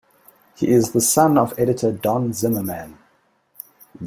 He is the son of editor Don Zimmerman.